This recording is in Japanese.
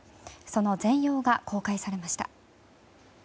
その全容が公開されました。